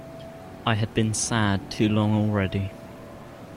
I had been sad too long already.